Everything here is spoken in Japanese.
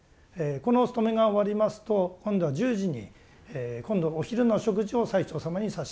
このお勤めが終わりますと今度は１０時に今度お昼の食事を最澄様に差し上げます。